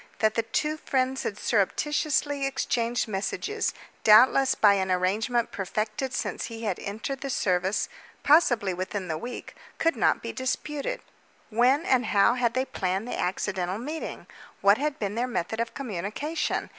That the two friends had surreptitiously exchanged messages, doubtless by an arrangement perfected since he had entered the service possibly within the week could not be disputed. When and how had they planned the accidental meeting? What had been their method of communication?